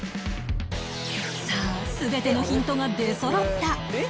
さあ全てのヒントが出そろった